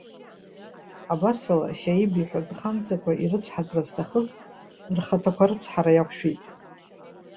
Абасала, Шьаиб иҳәатәы хамҵакәа ирыцҳатәра зҭахыз, рхаҭақәа арыцҳара иақәшәеит.